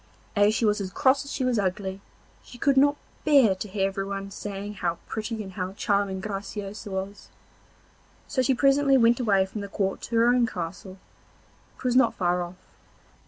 As she was as cross as she was ugly, she could not bear to hear everyone saying how pretty and how charming Graciosa was; so she presently went away from the court to her own castle, which was not far off.